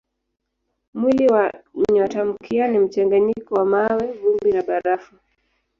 Mwili wa nyotamkia ni mchanganyiko wa mawe, vumbi na barafu.